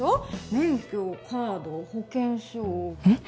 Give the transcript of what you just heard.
免許カード保険証えっ？